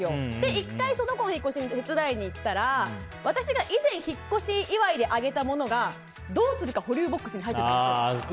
１回、その子の引っ越しの手伝いに行ったら私が以前、引っ越し祝いであげたものがどうするか保留ボックスに入ってたんですよ。